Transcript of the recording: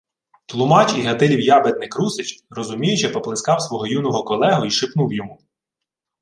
Тлумач і Гатилів ябедник Русич розуміюче поплескав свого юного колегу й шепнув йому: